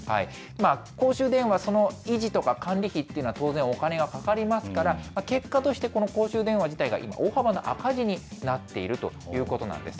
公衆電話、その維持とか管理費っていうのは当然お金がかかりますから、結果としてこの公衆電話自体が今、大幅な赤字になっているということなんです。